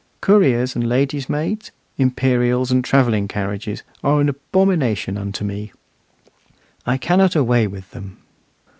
Couriers and ladies' maids, imperials and travelling carriages, are an abomination unto me; I cannot away with them.